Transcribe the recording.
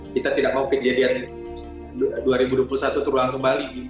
kita tidak mau kejadian dua ribu dua puluh satu terulang kembali